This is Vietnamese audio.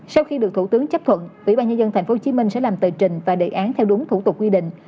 sau khi được thủ tướng chấp thuận ủy ban nhân dân thành phố hồ chí minh sẽ làm tờ trình và đề án theo đúng thủ tục quy định